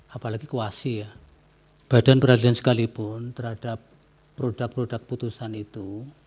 apalagi kuasi ya badan peradilan sekalipun terhadap produk produk putusan itu